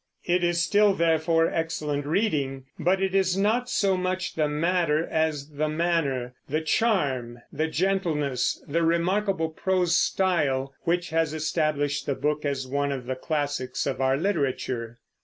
It is still, therefore, excellent reading; but it is not so much the matter as the manner the charm, the gentleness, the remarkable prose style which has established the book as one of the classics of our literature.